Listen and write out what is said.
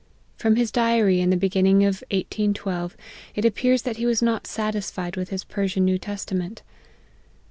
From his diary in the beginning of 1812, it appears that he was not satisfied with his Persian New Testament.